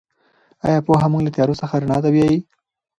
آیا پوهه مو له تیارو څخه رڼا ته بیايي؟